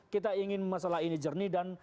kita ingin masalah ini jernih dan